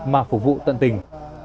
mà phục vụ tận tình